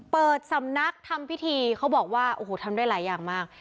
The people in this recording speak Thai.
เปิดสำนักทำพิธีเขาบอกว่าโอ้โหทำได้หลายอย่างมาก